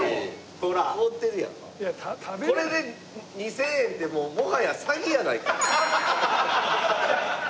これで２０００円ってもはや詐欺やないか！